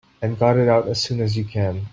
And got it out as soon as you can.